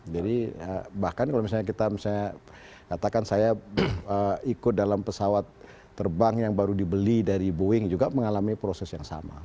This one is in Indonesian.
jadi bahkan kalau misalnya kita katakan saya ikut dalam pesawat terbang yang baru dibeli dari boeing juga mengalami proses yang sama